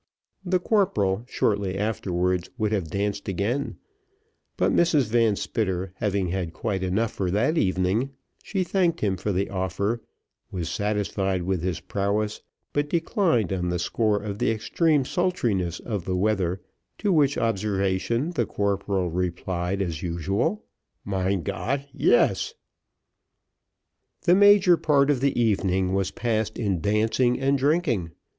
The corporal, shortly afterwards, would have danced again, but Mrs Van Spitter having had quite enough for that evening, she thanked him for the offer, was satisfied with his prowess, but declined on the score of the extreme sultriness of the weather; to which observation, the corporal replied, as usual, "Mein Gott, yes." The major part of the evening was passed in dancing and drinking.